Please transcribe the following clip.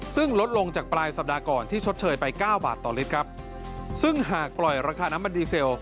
ซึ่งหากปล่อยราคาน้ำมันดีเซล